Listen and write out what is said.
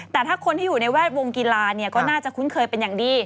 แต่ถ้าคนที่อยู่ในแวดวงกีฬาเนี่ยก็น่าจะคุ้นเคยเป็นอย่างดี